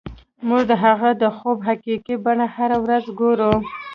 موږ د هغوی د خوب حقیقي بڼه هره ورځ ګورو